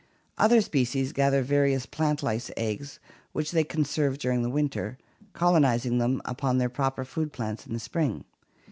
Other species gather various plant lice eggs which they conserve during the winter, colonizing them upon their proper food plants in the spring.